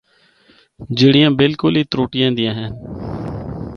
جڑّیاں بلکل ہی ترٹِّیاں دیاں ہن۔